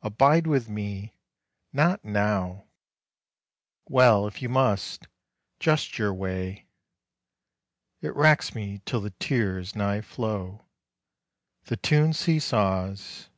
'Abide with Me....' Not now! Well ... if you must: just your way. It racks me till the tears nigh flow. The tune see saws.